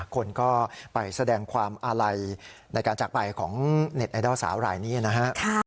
คนก็ไปแสดงความอาลัยในการจากไปของเน็ตไอดอลสาวรายนี้นะฮะ